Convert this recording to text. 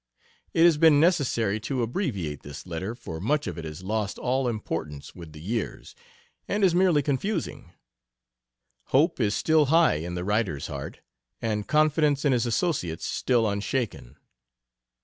It has been necessary to abbreviate this letter, for much of it has lost all importance with the years, and is merely confusing. Hope is still high in the writer's heart, and confidence in his associates still unshaken.